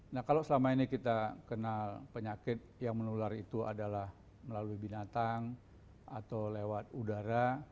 nah kalau selama ini kita kenal penyakit yang menular itu adalah melalui binatang atau lewat udara